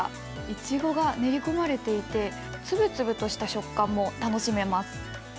いちごが練り込まれていて粒々とした食感も楽しめます。